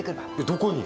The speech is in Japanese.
どこに？